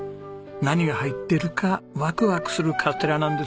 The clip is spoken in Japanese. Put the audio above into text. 何が入ってるかワクワクするカステラなんですね。